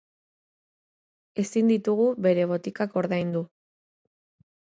Ezin ditugu bere botikak ordaindu.